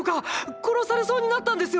殺されそうになったんですよ